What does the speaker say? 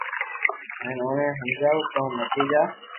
ھين اوني ھمجاو ڪو متي جا